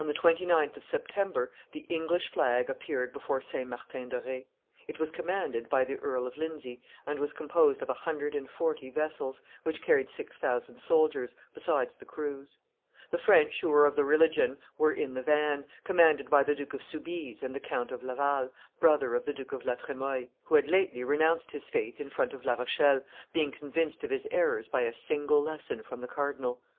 On the 29th of September, the English flag appeared before St. Martin de Re; it was commanded by the Earl of Lindsay, and was composed of a hundred and forty vessels, which carried six thousand soldiers, besides the crews; the French who were of the religion were in the van, commanded by the Duke of Soubise and the Count of Laval, brother of the Duke of La Tremoille, who had lately renounced his faith in front of La Rochelle, being convinced of his errors by a single lesson from the cardinal.